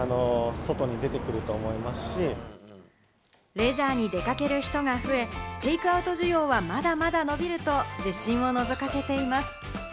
レジャーに出かける人が増え、テイクアウト需要はまだまだ伸びると、自信を覗かせています。